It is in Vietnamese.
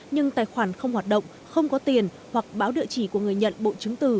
nhưng tài khoản không hoạt động không có tiền hoặc báo địa chỉ của người nhận bộ chứng từ